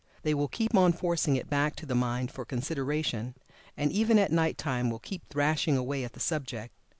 They will keep on forcing it back to the mind for consideration, and even at night time will keep thrashing away at the subject.